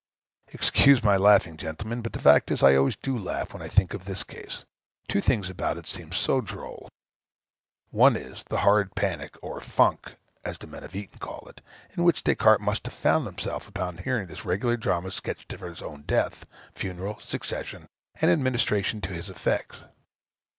Excuse my laughing, gentlemen, but the fact is, I always do laugh when I think of this case two things about it seem so droll. One, is, the horrid panic or "funk," (as the men of Eton call it,) in which Des Cartes must have found himself upon hearing this regular drama sketched for his own death funeral succession and administration to his effects.